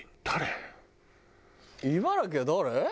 茨城は誰？